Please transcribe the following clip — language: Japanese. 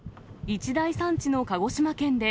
一大産地の鹿児島県で、